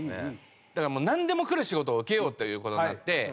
だからもうなんでも来る仕事を受けようという事になって。